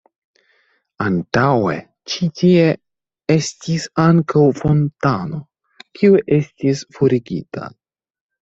Antaŭe ĉi tie estis ankaŭ fontano, kiu estis forigita.